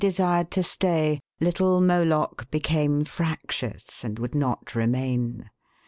449 desired to stay, little Moloch became fractious, and would not remain.